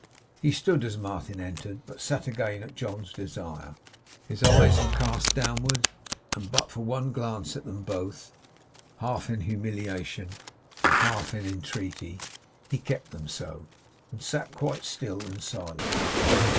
He stood as Martin entered, but sat again at John's desire. His eyes were cast downward; and but for one glance at them both, half in humiliation and half in entreaty, he kept them so, and sat quite still and silent.